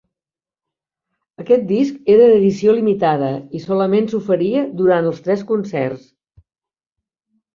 Aquest disc era d'edició limitada i solament s'oferia durant els tres concerts.